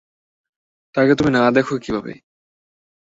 তাকে তুমি না দেখো কীভাবে?